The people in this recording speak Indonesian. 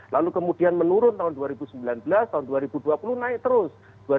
lalu kemudian menurun tahun dua ribu sembilan belas tahun dua ribu dua puluh naik terus